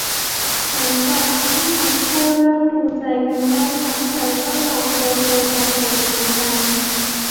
หลังจากที่ทั้งคู่เริ่มดูใจกันได้พักใหญ่ ก็ตกลงปลงใจแต่งงานกัน